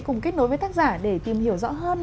cùng kết nối với tác giả để tìm hiểu rõ hơn